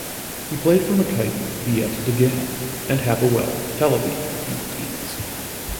He played for Maccabi Beit Dagan and Hapoel Tel Aviv youth teams.